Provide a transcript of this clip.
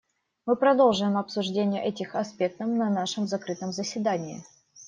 Мы продолжим обсуждение этих аспектов на нашем закрытом заседании.